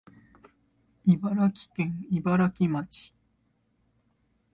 茨城県茨城町